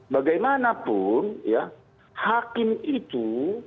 bagaimanapun ya hakim itu